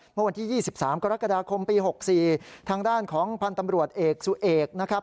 เมื่อวันที่๒๓กรกฎาคมปี๖๔ทางด้านของพันธ์ตำรวจเอกสุเอกนะครับ